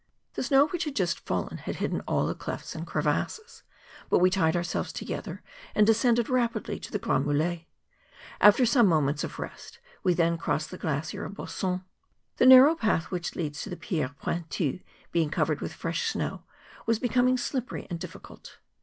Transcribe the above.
The snow which had 26 MOUNTAIN ADVENTURES. just fallen had hidden all the clefts and crevasses; hut we tied ourselves together and descended ra¬ pidly to the Grrand Mulets. After some moments of rest, we then crossed the glacier of Bossons. The narrow path which leads to the Pierres Pointues, being covered with fresh snow, was become slippery and difficult.